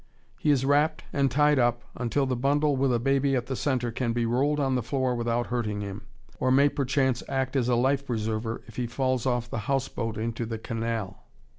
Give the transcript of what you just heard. He is wrapped and tied up until the bundle with a baby at the centre can be rolled on the floor without hurting him, or may perchance act as a life preserver if he falls off the houseboat into the canal.